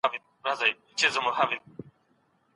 ولي کوښښ کوونکی د لایق کس په پرتله هدف ترلاسه کوي؟